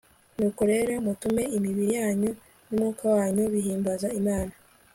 Nuko rero mutume imibiri yanyu numwuka wanyu bihimbaza Imana